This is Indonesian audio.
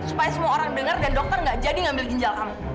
supaya semua orang dengar dan dokter gak jadi ngambil ginjal aku